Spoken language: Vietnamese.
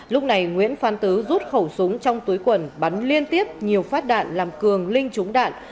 lúc này nguyễn phan tứ rút khẩu súng trong túi quần bắn liên tiếp nhiều phát đạn làm cường linh trúng đạn